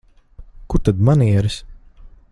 Kur tad manieres?